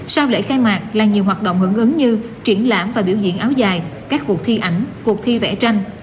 sau lễ khai mạc là nhiều hoạt động hưởng ứng như triển lãm và biểu diễn áo dài các cuộc thi ảnh cuộc thi vẽ tranh